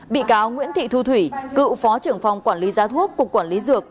bị cáo nguyễn thị thu thủy cựu phó trưởng phòng quản lý giá thuốc cục quản lý dược